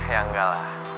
ya engga lah